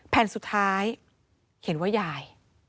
แผ่นสุดท้ายเขียนว่ายาย